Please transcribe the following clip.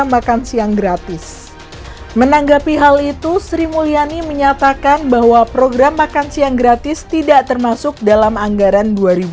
menanggapi hal itu sri mulyani menyatakan bahwa program makan siang gratis tidak termasuk dalam anggaran dua ribu dua puluh